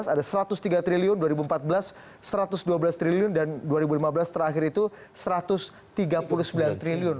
ada satu ratus tiga triliun dua ribu empat belas satu ratus dua belas triliun dan dua ribu lima belas terakhir itu rp satu ratus tiga puluh sembilan triliun